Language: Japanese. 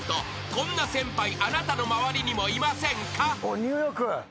［こんな先輩あなたの周りにもいませんか？］